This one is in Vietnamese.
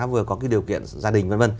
vừa có điều kiện gia đình v v